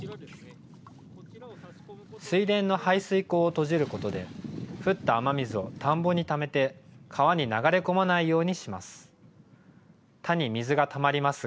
水田の排水口を閉じることで、降った雨水を田んぼにためて、川に流れ込まないようにします。